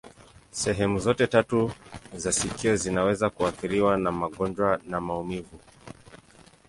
Sehemu zote tatu za sikio zinaweza kuathiriwa na magonjwa na maumivu.